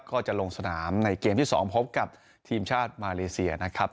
ก็จะลงสนามในเกมที่๒พบกับทีมชาติมาเลเซียนะครับ